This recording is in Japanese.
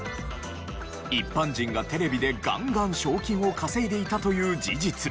一般人がテレビでガンガン賞金を稼いでいたという事実。